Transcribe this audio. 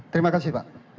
terima kasih pak